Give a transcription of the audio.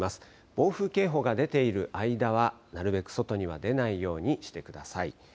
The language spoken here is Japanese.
暴風警報が出ている間は、なるべく外に出ないようにしてください。